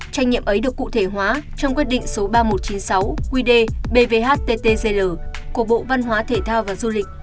trách nhiệm ấy được cụ thể hóa trong quyết định số ba nghìn một trăm chín mươi sáu qd bvhttgl của bộ văn hóa thể thao và du lịch